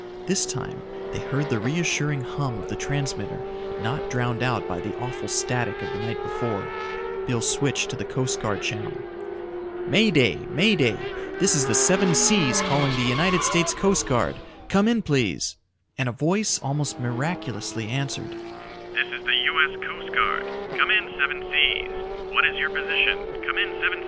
This time they heard the reassuring hum of the transmitter, not drowned out by the awful static of the night before. Bill switched to the Coast Guard channel. "May Day. May Day. This is the Seven Seas calling the United States Coast Guard. Come in please!" And a voice, almost miraculously, answered, "This is the U. S. Coast Guard.